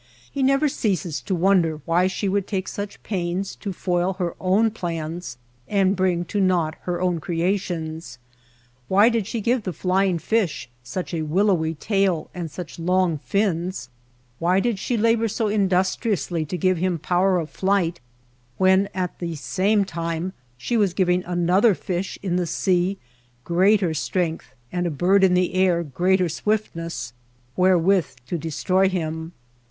He never ceases to wonder why she should take such pains to foil her own plans and bring to naught her own creations. Why did she give the flying fish such a willowy tail and such long fins, why did she labor so in dustriously to give him power of flight, when at the same time she was giving another fish in the sea greater strength, and a bird in the air great er swiftness wherewith to destroy him